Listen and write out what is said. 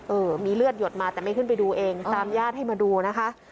เออมีเลือดหยดมาแต่ไม่ขึ้นไปดูเองตามญาติให้มาดูนะคะ